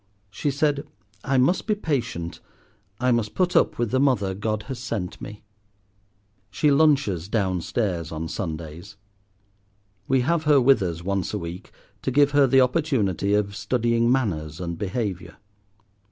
"She said, 'I must be patient. I must put up with the mother God has sent me.'" She lunches down stairs on Sundays. We have her with us once a week to give her the opportunity of studying manners and behaviour.